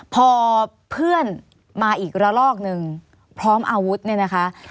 พอเพื่อนมาอีกระลอกหนึ่งพร้อมอาวุธเนี่ยนะคะ